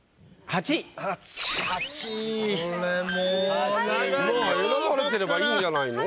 まぁ選ばれてればいいんじゃないの？